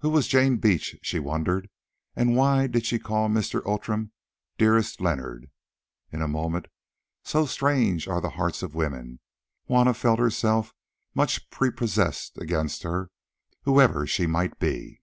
Who was Jane Beach, she wondered, and why did she call Mr. Outram "dearest Leonard"? In a moment, so strange are the hearts of women, Juanna felt herself much prepossessed against her, whoever she might be.